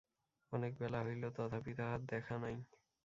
অনেক বেলা হইল, তথাপি তাহার দেখা নাই।